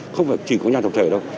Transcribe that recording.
không phải chỉ có nhà thực thể đâu